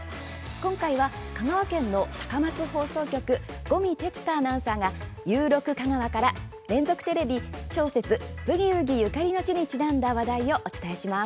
今回は、香川県の高松放送局五味哲太アナウンサーが「ゆう６かがわ」から連続テレビ小説「ブギウギ」ゆかりの地にちなんだ話題をお伝えします。